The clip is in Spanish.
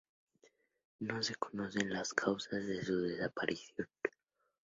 No se conocen las causas de su desaparición.